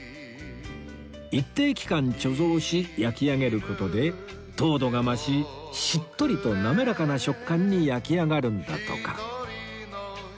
一定期間貯蔵し焼き上げる事で糖度が増ししっとりと滑らかな食感に焼き上がるんだとか